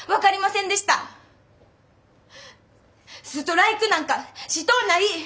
ストライクなんかしとうない！